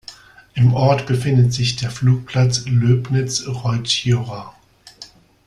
Im Ort befindet sich der Flugplatz Löbnitz-Roitzschjora.